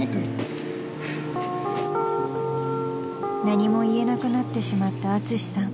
［何も言えなくなってしまったアツシさん］